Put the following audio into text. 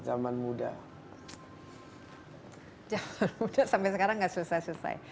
jaman muda sampai sekarang tidak selesai selesai